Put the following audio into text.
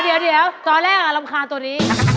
เดี๋ยวเดี๋ยวตอนแรกรับขาตัวนี้